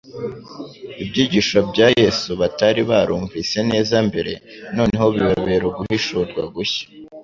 Ibyigisho bya Yesu batari barumvise neza mbere, noneho bibabera uguhishurwa gushya.